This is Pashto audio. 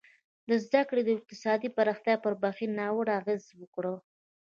د زده کړې او اقتصادي پراختیا پر بهیر ناوړه اغېز وکړ.